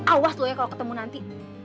awas loh ya kalau ketemu nanti